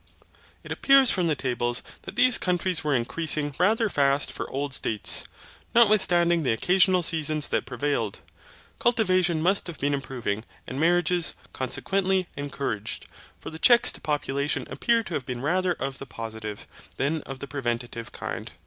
It appears from the tables that these countries were increasing rather fast for old states, notwithstanding the occasional seasons that prevailed. Cultivation must have been improving, and marriages, consequently, encouraged. For the checks to population appear to have been rather of the positive, than of the preventive kind.